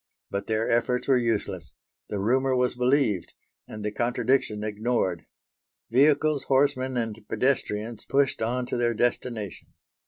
But their efforts were useless. The rumour was believed and the contradiction ignored; vehicles, horsemen and pedestrians pushed on to their destination.